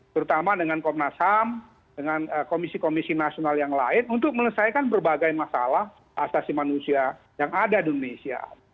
terutama dengan komnas ham dengan komisi komisi nasional yang lain untuk melesaikan berbagai masalah asasi manusia yang ada di indonesia